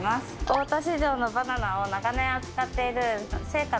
大田市場のバナナを長年扱っている青果